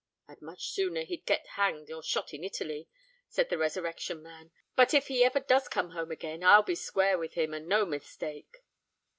"I'd much sooner he'd get hanged or shot in Italy," said the Resurrection Man. "But if he ever does come home again, I'll be square with him—and no mistake."